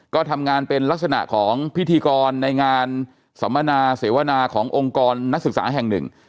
ก็ทำงานเป็นลักษณะของพิธีกรในงานสัมมนาเสวนาขององค์กรนักศึกษาแห่งหนึ่ง